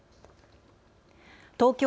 東京